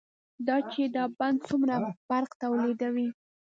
دا چې دا بند څومره برق تولیدوي،